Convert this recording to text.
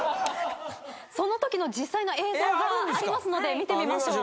その時の実際の映像がありますので見てみましょう。